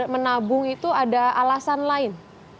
menabung itu ada alasan lain